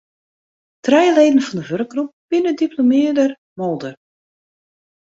Trije leden fan de wurkgroep binne diplomearre moolder.